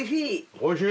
おいしい！